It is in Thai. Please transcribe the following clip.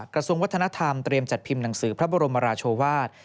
กระทรวงวัฒนธรรมเตรียมจัดพิมพ์หนังสือพระบรมราชวาส